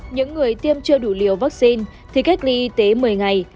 những người tiêm chưa đủ liều vaccine thì cách ly y tế một mươi ngày